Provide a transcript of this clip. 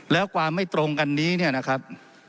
แล้วความไม่ตรงกันนี้เนี่ยนะครับ